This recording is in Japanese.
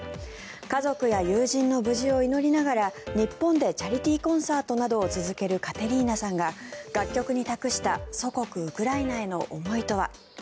家族や友人の無事を祈りながら日本でチャリティーコンサートなどを続けるカテリーナさんが楽曲に託した祖国ウクライナへの思いとは。